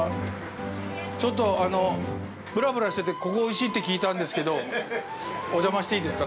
ちょっとぶらぶらしてて、ここ、おいしいって聞いたんですけど、お邪魔していいですか？